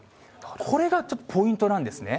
これがちょっとポイントなんですね。